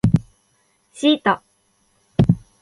シータ